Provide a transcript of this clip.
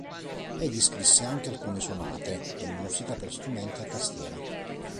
Egli scrisse anche alcune sonate e musica per strumenti a tastiera.